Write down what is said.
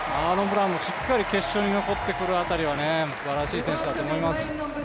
しっかり決勝に残ってくる辺りはすばらしい選手だと思います。